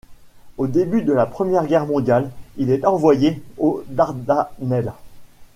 Au début de la Première Guerre mondiale, il est envoyé aux Dardanelles.